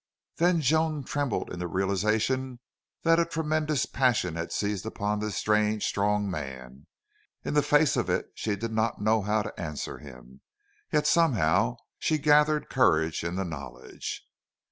Then Joan trembled in the realization that a tremendous passion had seized upon this strange, strong man. In the face of it she did not know how to answer him. Yet somehow she gathered courage in the knowledge.